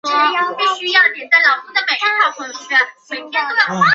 火星全球探勘者号在该撞击坑底部发现暗色的沙丘地形。